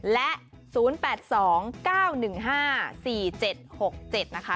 และ๐๘๒๙๑๕๔๗๖๗นะคะ